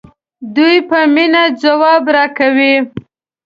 دوی په مینه ځواب راکوي.